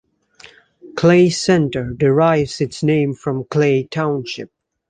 Clay Center derives its name from Clay Township.